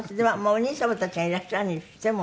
お兄様たちがいらっしゃるにしてもね。